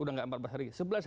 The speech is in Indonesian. udah gak empat belas hari